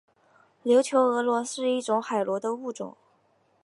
琉球峨螺是一种海螺的物种。